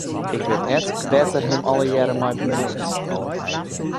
Ik wit net wêr't er him allegearre mei bemuoit.